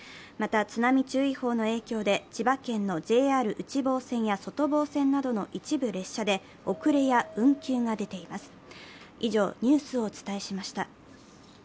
また、津波注意報の影響で千葉県のＪＲ内房線や外房線などの一部列車で遅れや運休が出ています。